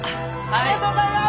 ありがとうございます！